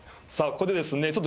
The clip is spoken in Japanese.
さあここでですね